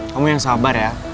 kamu yang sabar ya